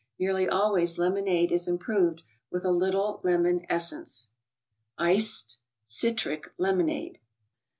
Nearly al ways lemonade is 'improved with a little lemon essence. 31cct> (Citric) Lemonade.